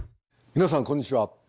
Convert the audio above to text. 皆さんこんにちは。